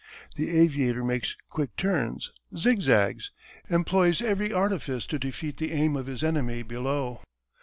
The aviator makes quick turns zigzags employs every artifice to defeat the aim of his enemy below.